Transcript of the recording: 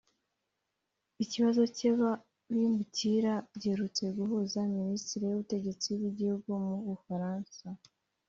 Ikibazo cy’aba bimukira giherutse guhuza Minisitiri w’Ubutegetsi bw’Igihugu mu Bufaransa